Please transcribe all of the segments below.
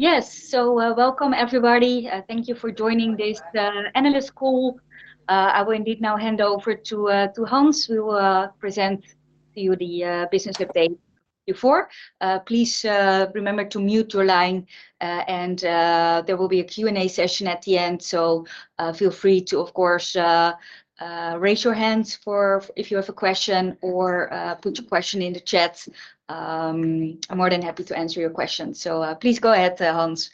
Yes. Welcome everybody. Thank you for joining this analyst call. I will indeed now hand over to Hans who will present to you the business update before. Please remember to mute your line, and there will be a Q&A session at the end, so feel free to of course, raise your hands for if you have a question or put your question in the chat. I'm more than happy to answer your questions. Please go ahead, Hans.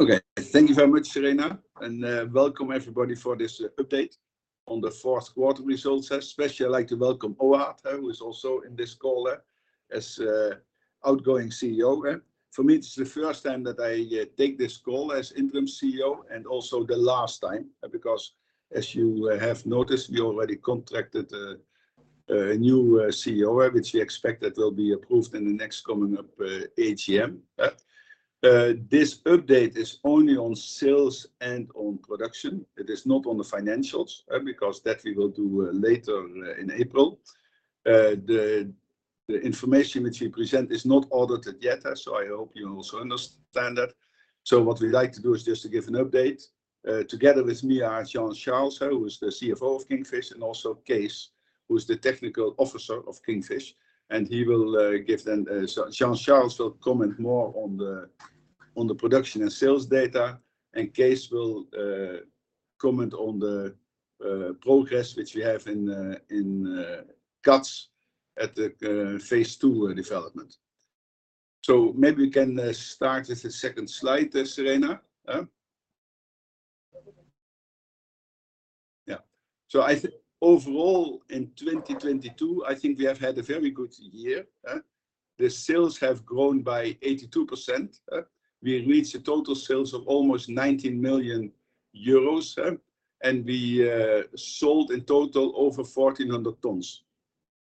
Okay. Thank you very much, Serena, welcome everybody for this update on the fourth quarter results. Especially I'd like to welcome Ohad, who is also in this call, as Outgoing CEO. For me it's the first time that I take this call as Interim CEO and also the last time, because as you have noticed, we already contracted a new CEO, which we expect that will be approved in the next coming up AGM. This update is only on sales and on production. It is not on the financials, because that we will do later in April. The information which we present is not audited yet, so I hope you also understand that. What we like to do is just to give an update, together with me, Jean-Charles, who is the CFO of Kingfish, and also Kees, who's the technical officer of Kingfish. Jean-Charles will comment more on the production and sales data, and Kees will comment on the progress which we have in Kats at the Phase II development. Maybe we can start with the second slide, Serena. I think overall in 2022, I think we have had a very good year. The sales have grown by 82%. We reached the total sales of almost 19 million euros, and we sold in total over 1,400 tons.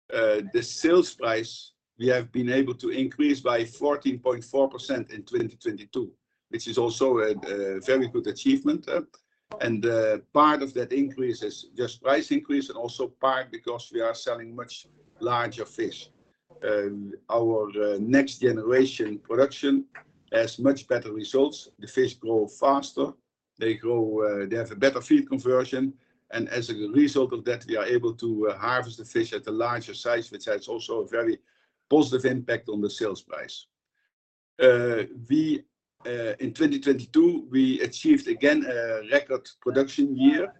The sales price we have been able to increase by 14.4% in 2022, which is also a very good achievement. Part of that increase is just price increase and also part because we are selling much larger fish. Our next generation production has much better results. The fish grow faster. They have a better Feed Conversion. As a result of that, we are able to harvest the fish at a larger size, which has also a very positive impact on the sales price. We in 2022 achieved again a record production year.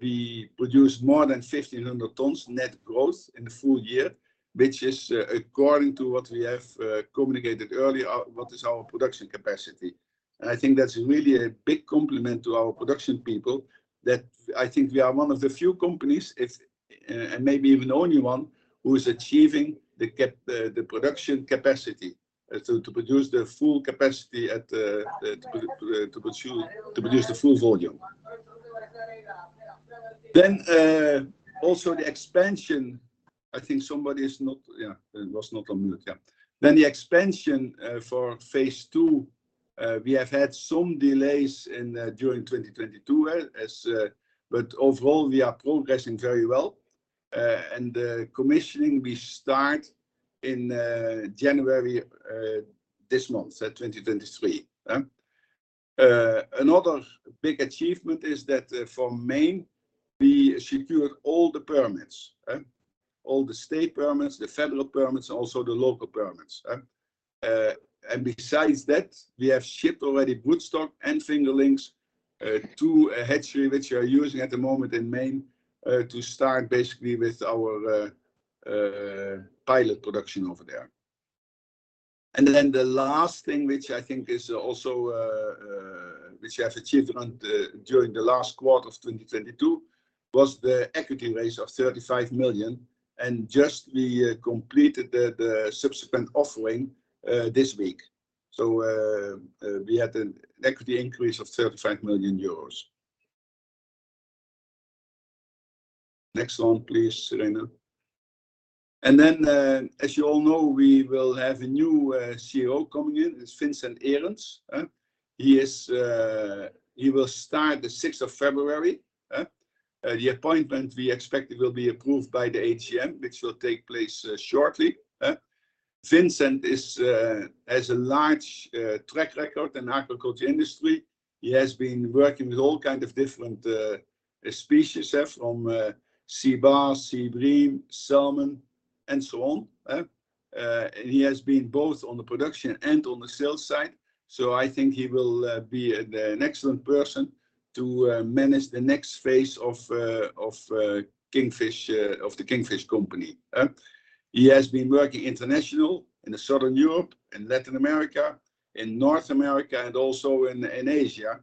We produced more than 1,500 tons net growth in the full year, which is according to what we have communicated earlier, what is our production capacity. I think that's really a big compliment to our production people that I think we are one of the few companies, if, and maybe even only one, who is achieving the production capacity to produce the full capacity at, to produce the full volume. Also the expansion. I think somebody is not... Yeah. Was not on mute. Yeah. The expansion for Phase II we have had some delays during 2022 as... Overall we are progressing very well. The commissioning we start in January this month, so 2023. Another big achievement is that for Maine, we secured all the permits. All the state permits, the federal permits, also the local permits. Besides that, we have shipped already broodstock and fingerlings to a hatchery which we are using at the moment in Maine to start basically with our pilot production over there. The last thing, which I think is also which we have achievement during the last quarter of 2022, was the equity raise of 35 million. Just we completed the subsequent offering this week. We had an equity increase of 35 million euros. Next one, please, Serena. As you all know, we will have a new CEO coming in. It's Vincent Erenst. He will start the 6th of February. The appointment we expect will be approved by the AGM, which will take place shortly. Vincent is has a large track record in agriculture industry. He has been working with all kind of different species from sea bass, sea bream, salmon, and so on. He has been both on the production and on the sales side. I think he will be an excellent person to manage the next phase of The Kingfish Company. He has been working international in the Southern Europe and Latin America, in North America and also in Asia.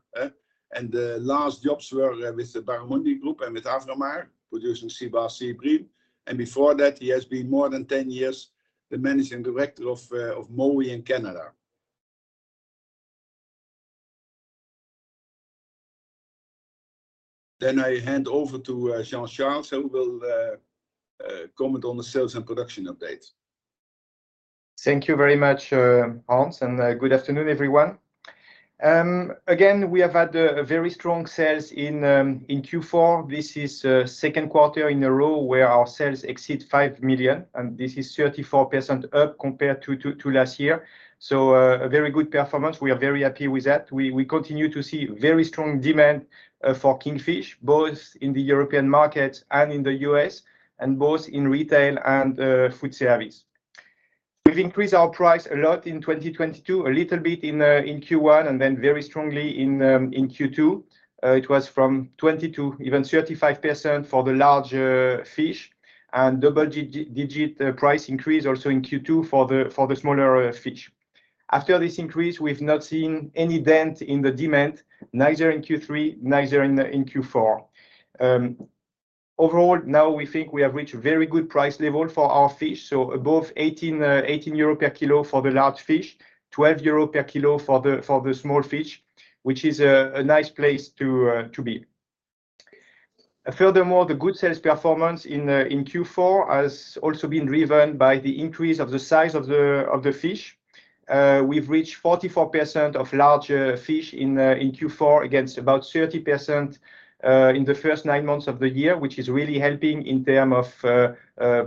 The last jobs were with the Barramundi Group and with Avramar producing sea bass, sea bream. Before that he has been more than 10 years the managing director of Mowi in Canada. I hand over to Jean-Charles, who will comment on the sales and production updates. Thank you very much, Hans, and, good afternoon, everyone Again, we have had a very strong sales in Q4. This is second quarter in a row where our sales exceed 5 million, this is 34% up compared to last year. A very good performance. We are very happy with that. We continue to see very strong demand for kingfish, both in the European market and in the U.S., both in retail and food service. We've increased our price a lot in 2022, a little bit in Q1, then very strongly in Q2. It was from 20% to even 35% for the larger fish and double-digit price increase also in Q2 for the smaller fish. After this increase, we've not seen any dent in the demand, neither in Q3, neither in Q4. Overall, now we think we have reached very good price level for our fish, so above 18 euro per kilo for the large fish, 12 euro per kilo for the small fish, which is a nice place to be. Furthermore, the good sales performance in Q4 has also been driven by the increase of the size of the fish. We've reached 44% of larger fish in Q4 against about 30% in the first 9 months of the year, which is really helping in term of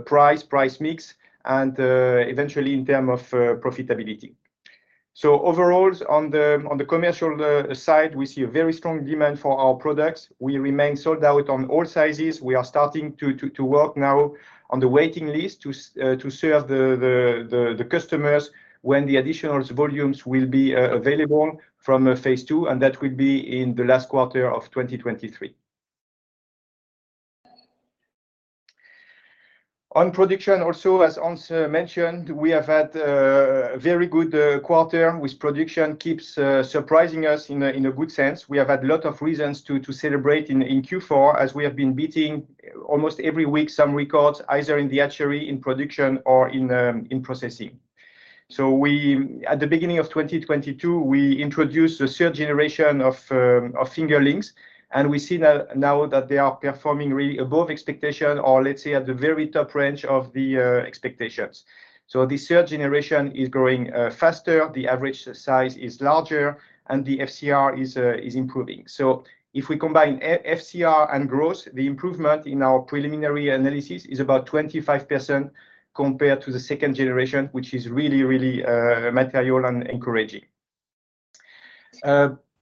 price mix, and eventually in term of profitability. Overall, on the commercial side, we see a very strong demand for our products. We remain sold out on all sizes. We are starting to work now on the waiting list to serve the customers when the additional volumes will be available from Phase II, and that will be in the last quarter of 2023. On production also, as Hans mentioned, we have had a very good quarter with production keeps surprising us in a good sense. We have had lot of reasons to celebrate in Q4, as we have been beating almost every week some records, either in the hatchery, in production or in processing. At the beginning of 2022, we introduced the third generation of fingerlings, and we see that now that they are performing really above expectation or, let's say, at the very top range of the expectations. The third generation is growing faster, the average size is larger, and the FCR is improving. If we combine FCR and growth, the improvement in our preliminary analysis is about 25% compared to the second generation, which is really material and encouraging.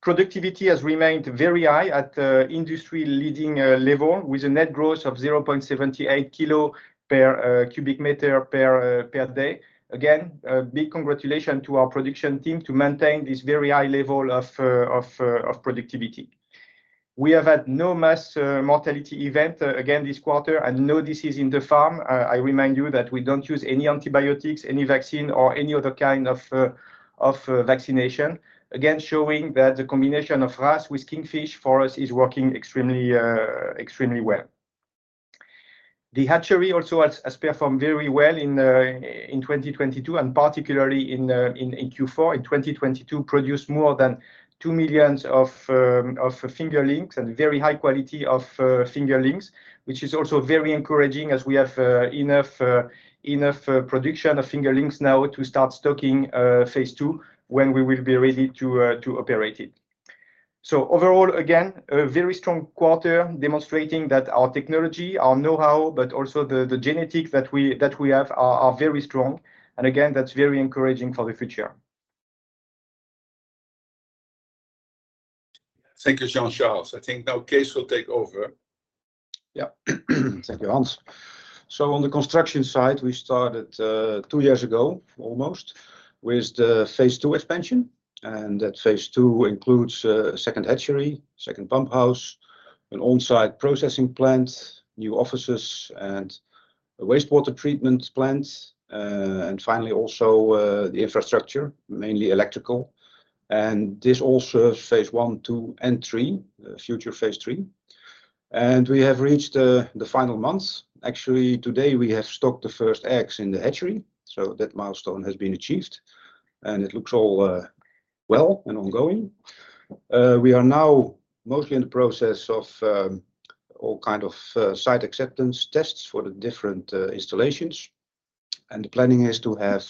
Productivity has remained very high at industry-leading level, with a net growth of 0.78 kilo per cubic meter per day. Again, a big congratulation to our production team to maintain this very high level of productivity. We have had no mass mortality event again this quarter and no diseases in the farm. I remind you that we don't use any antibiotics, any vaccine or any other kind of vaccination. Again, showing that the combination of RAS with Kingfish for us is working extremely extremely well. The hatchery also has performed very well in 2022, and particularly in Q4. In 2022, produced more than 2 million of fingerlings and very high quality of fingerlings, which is also very encouraging as we have enough production of fingerlings now to start stocking Phase II when we will be ready to operate it. Overall, again, a very strong quarter demonstrating that our technology, our know-how, but also the genetics that we have are very strong. Again, that's very encouraging for the future. Thank you, Jean-Charles. I think now Kees will take over. Thank you, Hans. On the construction site, we started two years ago almost with the Phase II expansion. That Phase II includes a second hatchery, second pump house, an on-site processing plant, new offices and a wastewater treatment plant. Finally, also the infrastructure, mainly electrical. This all serves Phase I, II, and III, future Phase III. We have reached the final months. Actually, today we have stocked the first eggs in the hatchery, so that milestone has been achieved, and it looks all well and ongoing. We are now mostly in the process of all kind of site acceptance tests for the different installations. The planning is to have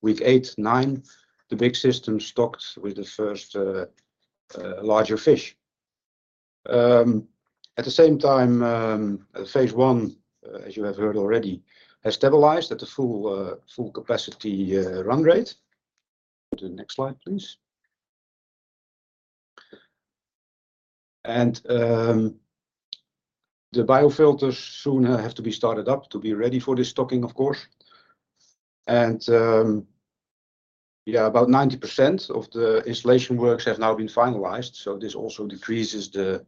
week eight, nine, the big system stocked with the first larger fish. At the same time, Phase I, as you have heard already, has stabilized at the full capacity, run rate. Go to the next slide, please. The biofilters soon have to be started up to be ready for the stocking, of course. About 90% of the installation works have now been finalized, so this also decreases the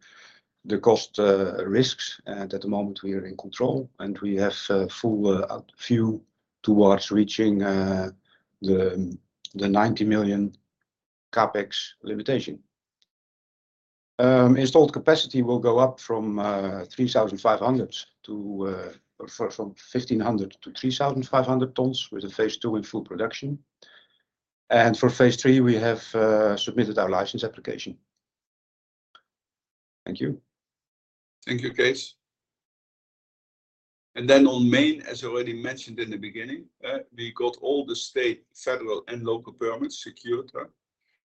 cost risks. At the moment we are in control, and we have a full view towards reaching 90 million CapEx limitation. Installed capacity will go up from 3,500 to from 1,500 to 3,500 tons with the Phase II in full production. For Phase III, we have submitted our license application. Thank you. Thank you, Kees. On Maine, as already mentioned in the beginning, we got all the state, federal, and local permits secured.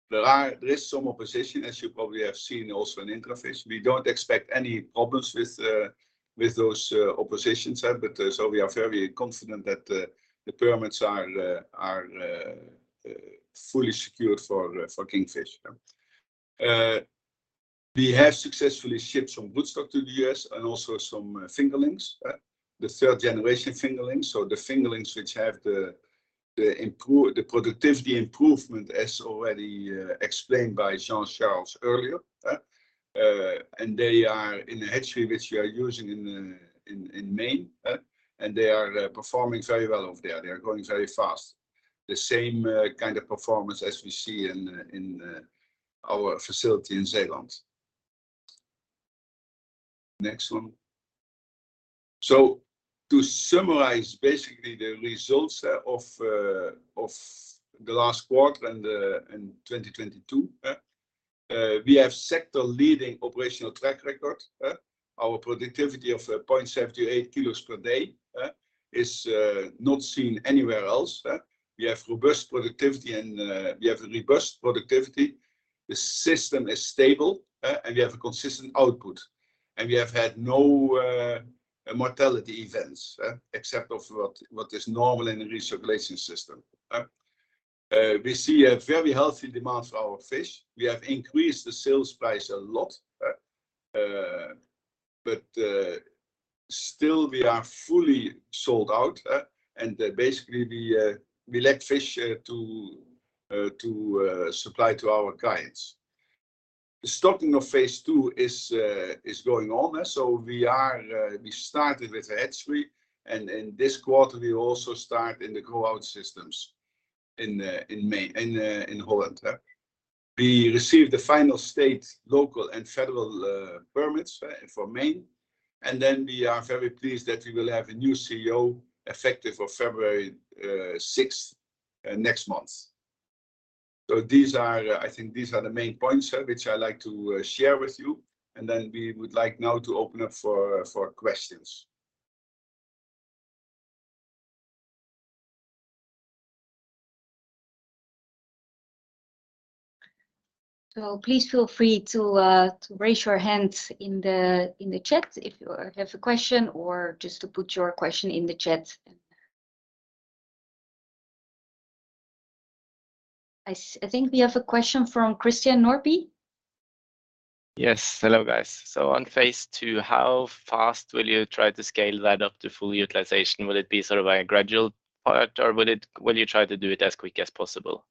There is some opposition, as you probably have seen also in IntraFish. We don't expect any problems with those oppositions, but so we are very confident that the permits are fully secured for Kingfish. We have successfully shipped some broodstock to the U.S. and also some fingerlings, the third-generation fingerlings. The fingerlings which have the productivity improvement, as already explained by Jean-Charles earlier. They are in the hatchery which we are using in Maine, and they are performing very well over there. They are growing very fast. The same kind of performance as we see in our facility in Zeeland. Next one. To summarize basically the results of the last quarter and 2022, we have sector-leading operational track record, our productivity of 0.78 kilos per day is not seen anywhere else? We have robust productivity and we have a robust productivity. The system is stable, and we have a consistent output. We have had no mortality events, except of what is normal in a recirculation system. We see a very healthy demand for our fish. We have increased the sales price a lot, but still we are fully sold out, and basically we lack fish to supply to our clients. The starting of Phase II is going on, so we are, we started with the hatchery, and in this quarter we also start in the grow-out systems in Holland. We received the final state, local, and federal permits for Maine. We are very pleased that we will have a new CEO effective of February 6th next month. I think these are the main points which I like to share with you, and then we would like now to open up for questions. Please feel free to raise your hand in the, in the chat if you have a question, or just to put your question in the chat. I think we have a question from Christian Nordby. Hello, guys. On Phase II, how fast will you try to scale that up to full utilization? Will it be sort of a gradual part, or will you try to do it as quick as possible?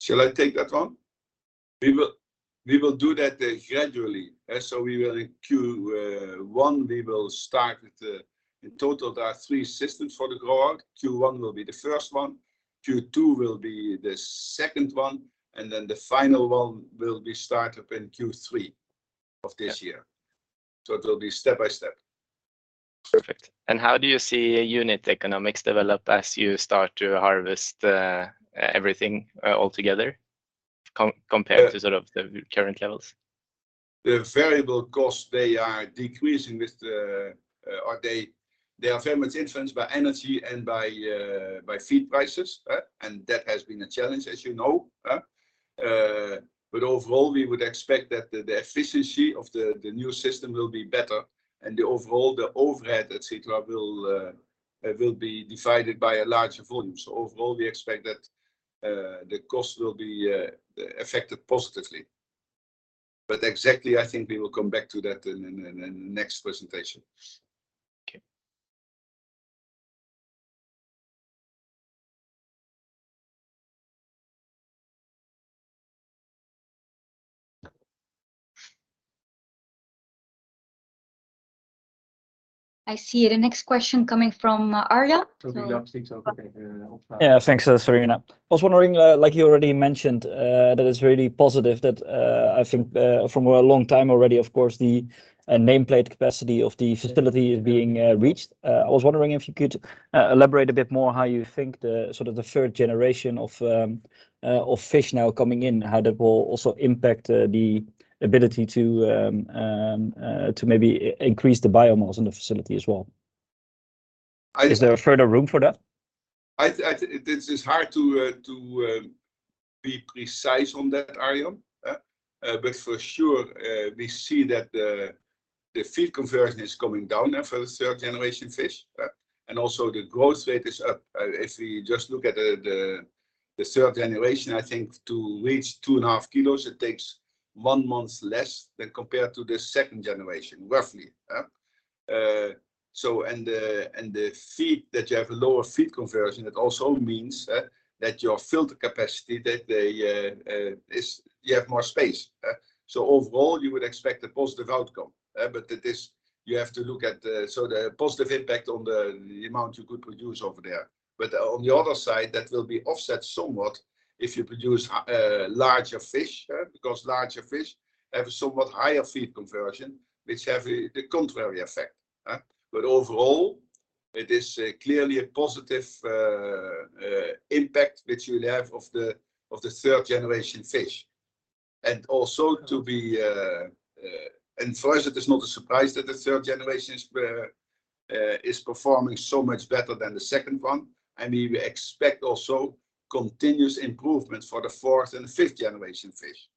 Shall I take that one? We will do that gradually. We will in Q1. In total there are 3 systems for the grow-out. Q1 will be the first one, Q2 will be the second one, and then the final one will be start up in Q3 of this year. Yeah. It will be step by step. Perfect. How do you see unit economics develop as you start to harvest everything all together compared to? Yeah... sort of the current levels? The variable costs, they are decreasing with the, or they are very much influenced by energy and by feed prices, that has been a challenge, as you know. Overall, we would expect that the efficiency of the new system will be better, and overall, the overhead, et cetera, will be divided by a larger volume. Overall, we expect that the cost will be affected positively. Exactly, I think we will come back to that in the next presentation. Okay. I see the next question coming from Arjan. The updates okay. Yeah. Thanks, Serena. I was wondering, like you already mentioned, that is really positive that, I think, from a long time already, of course, the nameplate capacity of the facility is being reached. I was wondering if you could elaborate a bit more how you think the sort of the third generation of fish now coming in, how that will also impact the ability to increase the biomass in the facility as well. Is there a further room for that? This is hard to be precise on that, Arjan. For sure, we see that the feed conversion is coming down now for the 3rd-generation fish, and also the growth rate is up. If we just look at the 3rd generation, I think to reach 2.5 kilos, it takes one month less than compared to the 2nd generation, roughly. And the feed that you have, lower feed conversion, it also means that your filter capacity, that the is, you have more space. Overall, you would expect a positive outcome. It is. You have to look at, so the positive impact on the amount you could produce over there. On the other side, that will be offset somewhat if you produce larger fish, because larger fish have a somewhat higher feed conversion, which have the contrary effect. Overall, it is clearly a positive impact which we'll have of the third generation fish. For us it is not a surprise that the third generation is performing so much better than the second one, and we expect also continuous improvements for the fourth and fifth generation fish.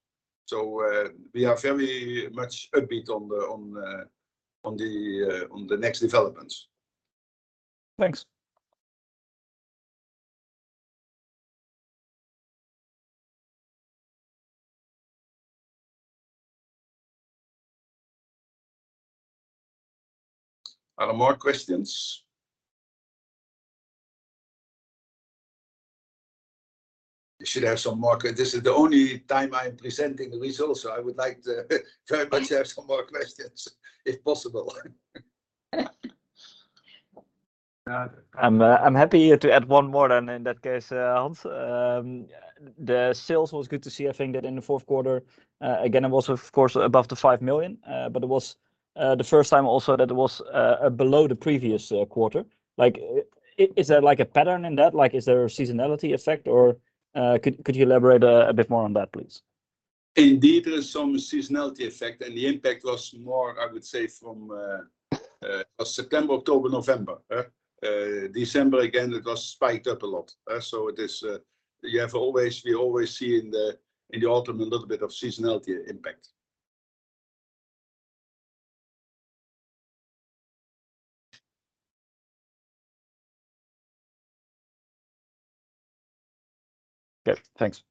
We are very much upbeat on the next developments. Thanks. Are there more questions? This is the only time I'm presenting the results, so I would like to very much have some more questions if possible. I'm happy to add one more then in that case, Hans. The sales was good to see. I think that in the fourth quarter, again it was of course above the 5 million, but it was the first time also that it was below the previous quarter. Like, is there like a pattern in that? Like, is there a seasonality effect, or could you elaborate a bit more on that, please? Indeed, there's some seasonality effect, and the impact was more, I would say, from September, October, November. December again it was spiked up a lot, so it is, you have always, we always see in the, in the autumn a little bit of seasonality impact. Okay, thanks.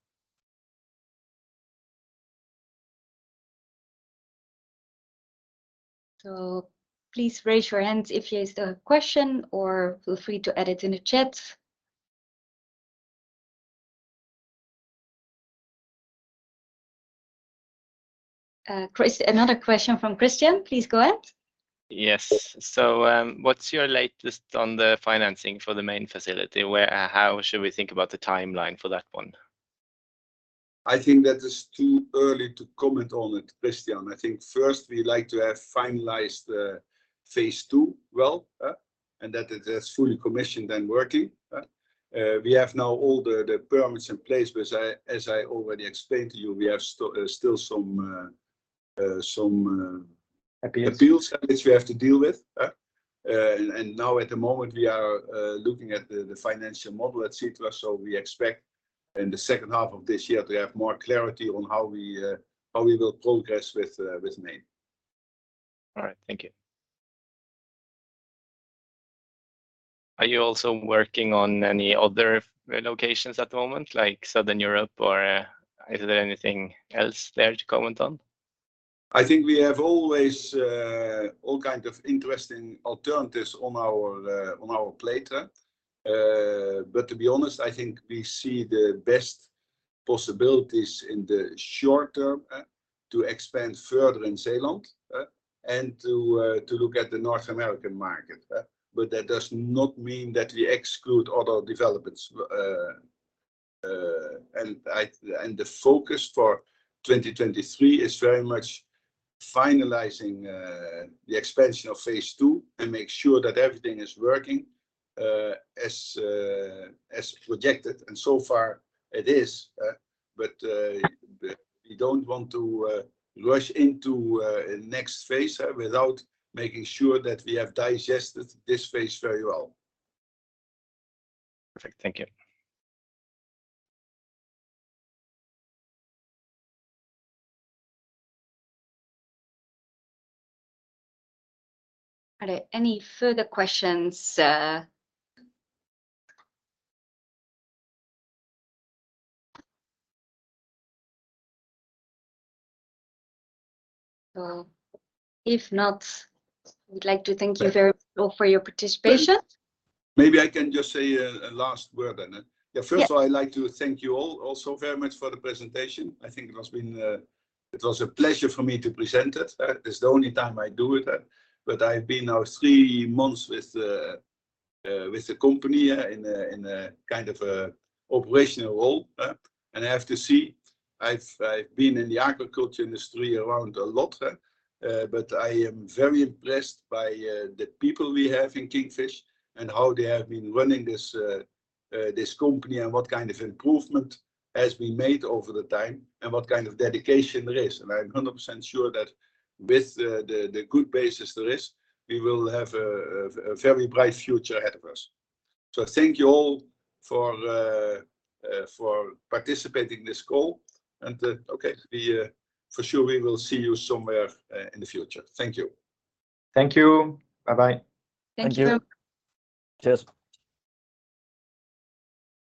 Please raise your hand if you has a question, or feel free to add it in the chat. Another question from Christian. Please go ahead. Yes. What's your latest on the financing for the Maine facility? Where or how should we think about the timeline for that one? I think that is too early to comment on it, Christian. I think first we'd like to have finalized Phase II well, and that it is fully commissioned and working. We have now all the permits in place, but I, as I already explained to you, we have still some. Appeals... appeals which we have to deal with. Now at the moment we are looking at the financial model et cetera, so we expect in the second half of this year to have more clarity on how we will progress with Maine. All right. Thank you. Are you also working on any other locations at the moment, like Southern Europe, or is there anything else there to comment on? I think we have always all kind of interesting alternatives on our plate. To be honest, I think we see the best possibilities in the short term to expand further in Zeeland and to look at the North American market. That does not mean that we exclude other developments. I, and the focus for 2023 is very much finalizing the expansion of Phase II and make sure that everything is working as projected. So far it is. We don't want to rush into a next phase without making sure that we have digested this phase very well. Perfect. Thank you. Are there any further questions? If not, we'd like to thank you very much all for your participation. Maybe I can just say a last word then. Yeah. Yeah. First of all, I'd like to thank you all also very much for the presentation. I think it has been, it was a pleasure for me to present it. This is the only time I do it, but I've been now three months with the company in a kind of a operational role, and I have to say I've been in the aquaculture industry around a lot, but I am very impressed by the people we have in Kingfish and how they have been running this company and what kind of improvement has been made over the time and what kind of dedication there is. I'm 100% sure that with the good basis there is, we will have a very bright future ahead of us. Thank you all for participating this call. Okay, we for sure we will see you somewhere in the future. Thank you. Thank you. Bye bye. Thank you. Thank you. Cheers.